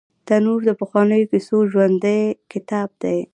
تنور د پخوانیو کیسو ژوندي کتاب دی